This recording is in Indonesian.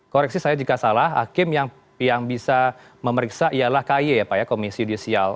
koreksi saya jika salah hakim yang bisa memeriksa ialah kay komisi judicial